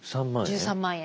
１３万円。